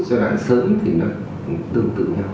cho đoạn sớm thì nó tương tự nhau